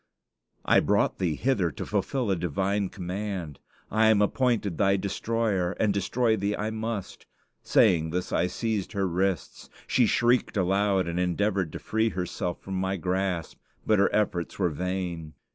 "I brought thee hither to fulfill a divine command. I am appointed thy destroyer, and destroy thee I must." Saying this, I seized her wrists. She shrieked aloud, and endeavored to free herself from my grasp; but her efforts were vain.